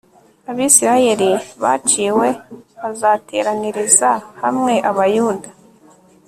Abisirayeli baciwe azateraniriza hamwe Abayuda